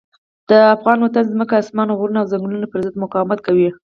د افغان وطن ځمکه، اسمان، غرونه او ځنګلونه پر ضد مقاومت کوي.